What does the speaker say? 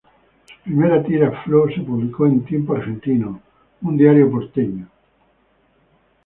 Su primera tira, "Flo", se publicó en "Tiempo Argentino", un diario porteño.